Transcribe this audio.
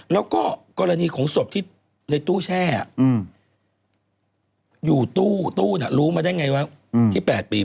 แล้วก็กรณีของศพที่ในตู้แช่อยู่ตู้น่ะรู้มาได้ไงว่าที่๘ปี